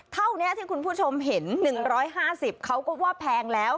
เท่านี้ที่คุณผู้ชมเห็นหนึ่งร้อยห้าสิบเขาก็ว่าแพงแล้ว